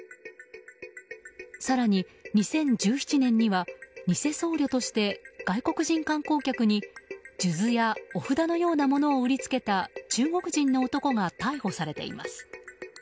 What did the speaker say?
更に、２０１７年には偽僧侶として外国人観光客に、数珠やお札のようなものを売りつけた中国人の男が逮捕されています。